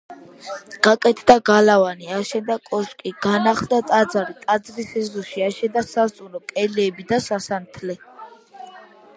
გაკეთდა გალავანი, აშენდა კოშკი, განახლდა ტაძარი, ტაძრის ეზოში აშენდა სასტუმრო კელიები და სასანთლე.